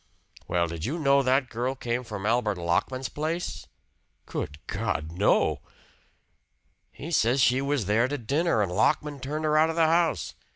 "Well, did you know that girl came from Albert Lockman's place?" "Good God, no!" "He says she was there to dinner and Lockman turned her out of the house.